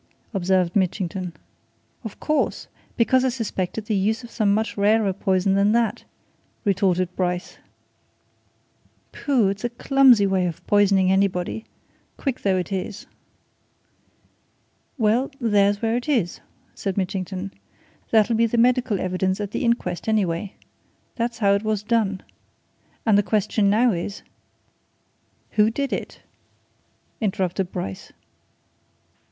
observed Mitchington. "Of course! because I suspected the use of some much rarer poison than that," retorted Bryce. "Pooh! it's a clumsy way of poisoning anybody! quick though it is." "Well, there's where it is!" said Mitchington. "That'll be the medical evidence at the inquest, anyway. That's how it was done. And the question now is " "Who did it?" interrupted Bryce.